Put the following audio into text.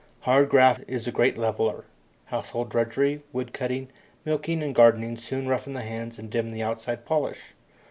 Hard graft is a great leveller. Household drudgery, woodcutting, milking, and gardening soon roughen the hands and dim the outside polish.